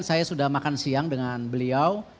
saya sudah makan siang dengan beliau